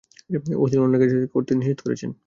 অশ্লীল ও অন্যায় কাজ করতে নিষেধ করছেন।